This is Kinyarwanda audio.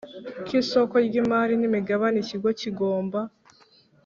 k Isoko ry imari n imigabane Ikigo kigomba